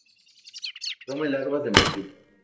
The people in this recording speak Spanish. Come larvas de mosquito.